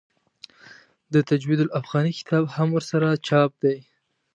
د تجوید الافغاني کتاب هم ورسره چاپ دی.